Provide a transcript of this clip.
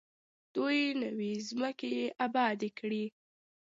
دوی نوې ځمکې ابادې کړې.